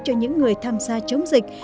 cho những người tham gia chống dịch